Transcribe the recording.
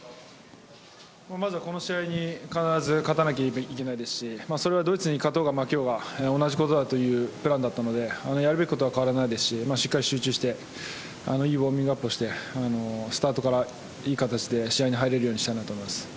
まずはこの試合に必ず勝たなきゃいけないですしそれはドイツに勝とうが負けようが同じことだというプランだったのでやるべきことは変わらないですししっかり集中していいウォーミングアップをしてスタートからいい形で試合に入れるようにしたいなと思います。